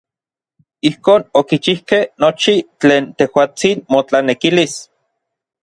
Ijkon okichijkej nochi tlen tejuatsin motlanekilis.